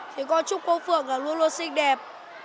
thì có chúc cô phượng là luôn luôn xinh đẹp